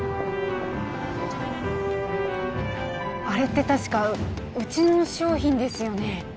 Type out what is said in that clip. あれって確かうちの商品ですよね？